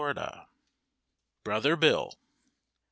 BROTHER BILL.